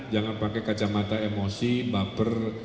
jangan pakai kacamata emosi baper